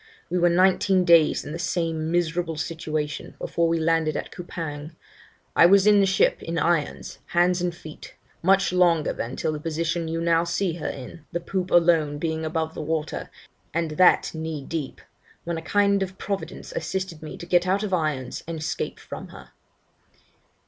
We were nineteen days in the same miserable situation before we landed at Coupang. I was in the ship, in irons, hands and feet, much longer than till the position you now see her in, the poop alone being above water (and that knee deep), when a kind Providence assisted me to get out of irons and escape from her.'